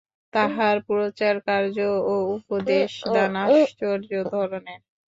তাঁহার প্রচারকার্য ও উপদেশদান আশ্চর্য ধরনের।